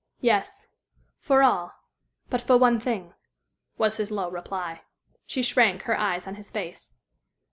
"Yes; for all but for one thing," was his low reply. She shrank, her eyes on his face.